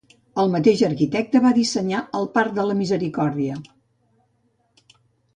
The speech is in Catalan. El mateix arquitecte va dissenyar el parc de la Misericòrdia.